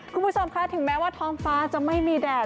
คุณผู้ชมค่ะถึงแม้ว่าท้องฟ้าจะไม่มีแดด